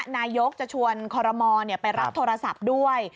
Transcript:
นายกจะชวนคอรมอลไปรับโทรศัพท์ด้วย